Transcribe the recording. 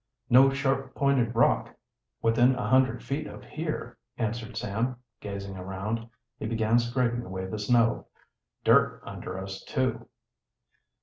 "No sharp pointed rock within a hundred feet of here," answered Sam, gazing around. He began scraping away the snow. "Dirt under us, too."